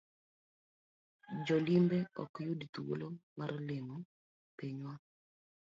Jolimbe ok yud thuolo mar limo pinywa.